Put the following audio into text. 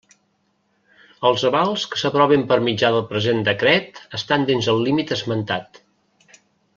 Els avals que s'aproven per mitjà del present decret estan dins del límit esmentat.